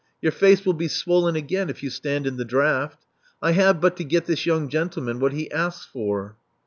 Your face will be swollen again if you stand in the draught. I have but to get this young gentleman what he asks for."